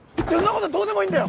ことどうでもいいんだよ！